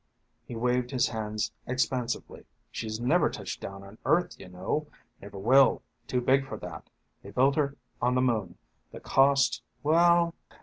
He waved his hands expansively. "She's never touched down on Earth, you know. Never will. Too big for that. They built her on the moon. The cost? Well